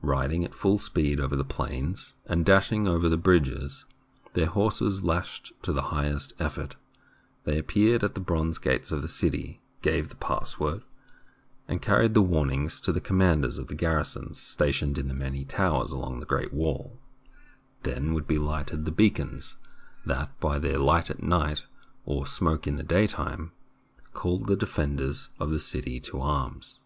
Riding at full speed over the plains, and dashing over the bridges, their horses lashed to the highest effort, they appeared at the bronze gates of the city, gave the password, and carried the warning to the commanders of the garrisons stationed in the many towers along the great wall. A SIEGE IN THE EARLIEST TIMES Then would be lighted the beacons that, by their light at night, or smoke in the daytime, called the defenders of the city to arms.